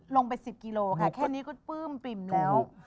ลงไป๑๐กิโลค่ะแค่นี้ก็ปลื้มปิ่มแล้ว